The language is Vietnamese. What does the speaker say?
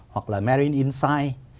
hoặc là marine insight